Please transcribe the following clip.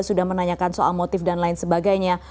sudah menanyakan soal motif dan lain sebagainya